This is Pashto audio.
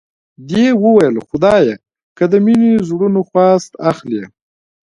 دې وویل خدایه که د مینې زړونو خواست اخلې.